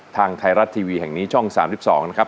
ทางไทยรัฐทีวีแห่งนี้ช่อง๓๒นะครับ